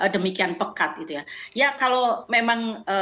demikian pekat itu ya kalau memang